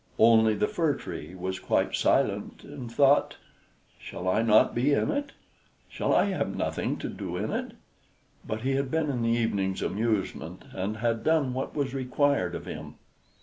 Only the Fir Tree was quite silent, and thought, "Shall I not be in it? Shall I have nothing to do in it?" But he had been in the evening's amusement, and had done what was required of him.